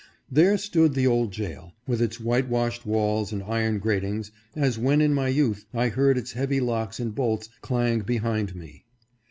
There stood the old jail, with its white washed walls and iron grat ings, as when in my youth 1 heard its heavy locks and bolts clank behind me.